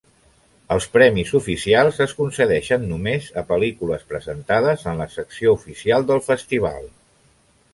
Els premis oficials es concedeixen només a pel·lícules presentades en la Secció Oficial del festival.